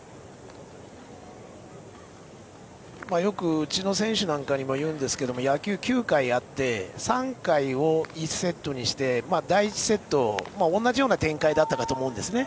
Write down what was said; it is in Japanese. よくうちの選手にも言うんですけど野球、９回あって３回を１セットにして第１セット同じような展開だったと思うんですね。